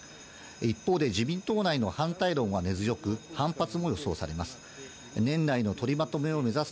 一方で、自民党内の反対論は根強く、反発も予想されます。